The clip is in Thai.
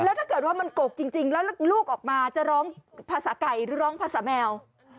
แล้วถ้าเกิดว่ามันกกจริงแล้วลูกออกมาจะร้องภาษาไก่หรือร้องภาษาแมว